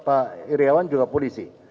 pak iryawan juga polisi